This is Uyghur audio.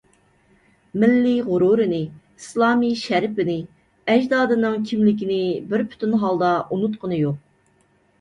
مىللىي غورۇرىنى، ئىسلامىي شەرىپىنى، ئەجدادىنىڭ كىملىكىنى بىر پۈتۈن ھالدا ئۇنۇتقىنى يوق.